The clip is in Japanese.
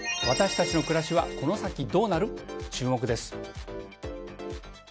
私たちの暮らしはこの先どうなる。